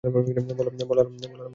বলরাম, আমার ভাই।